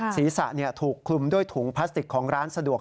ศีรษะถูกคลุมด้วยถุงพลาสติกของร้านสะดวก